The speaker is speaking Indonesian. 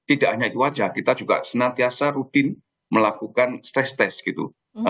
itu aja kita juga senantiasa rudin melakukan stress test gitu